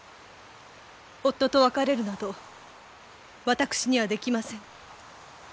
夫と別れるなど私にはできませぬ。